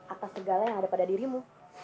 atas segala yang ada pada dirimu